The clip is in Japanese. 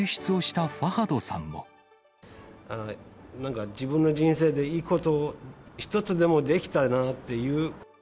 なんか、自分の人生でいいこと、一つでもできたなっていう。